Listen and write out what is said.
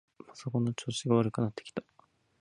パソコンの調子が悪くなってきた。